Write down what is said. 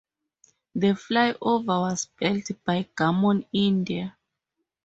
The flyover was built by Gammon India.